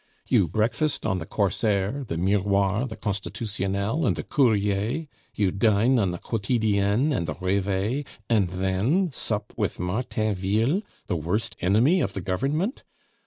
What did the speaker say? You breakfast on the Corsair, the Miroir, the Constitutionnel, and the Courier; you dine on the Quotidienne and the Reveil, and then sup with Martainville, the worst enemy of the Government!